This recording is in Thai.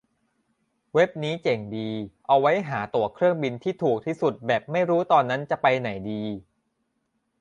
เว็บนี้เจ๋งดี เอาไว้หาตั๋วเครื่องบินที่ถูกที่สุดแบบไม่รู้ตอนนั้นจะไปไหนดี